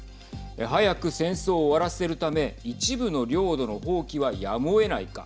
早く戦争を終わらせるため一部の領土の放棄はやむをえないか。